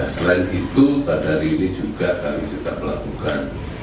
selain itu pada hari ini juga kami tetap melakukan